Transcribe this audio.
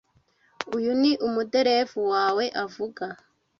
Uyu ni umuderevu wawe avuga.